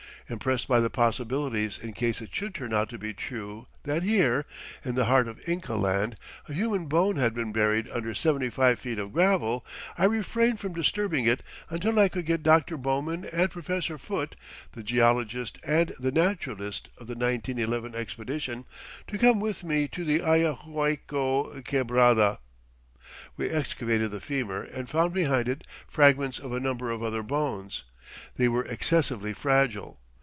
Impressed by the possibilities in case it should turn out to be true that here, in the heart of Inca Land, a human bone had been buried under seventy five feet of gravel, I refrained from disturbing it until I could get Dr. Bowman and Professor Foote, the geologist and the naturalist of the 1911 Expedition, to come with me to the Ayahuaycco quebrada. We excavated the femur and found behind it fragments of a number of other bones. They were excessively fragile.